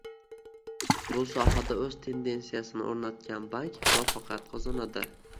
Bu sohada o'z tendentsiyasini o'rnatgan bank muvaffaqiyat qozonadi